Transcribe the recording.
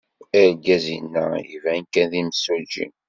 Argaz-inna iban kan d imsujji.